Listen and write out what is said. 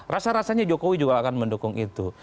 rasa rasanya jokowi juga akan mendukung itu